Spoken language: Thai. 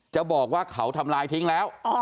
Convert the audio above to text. จะบอกว่าเขาทำลายทิ้งแล้ว